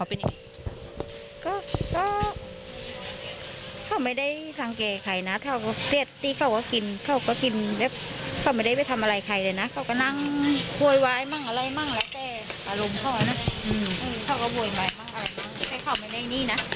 อืมอืมเขาก็บ่อยมากมากมากมากให้เข้าไปในนี่น่ะ